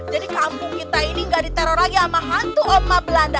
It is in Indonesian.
jadi kampung kita ini gak diteror lagi sama hantu oma belanda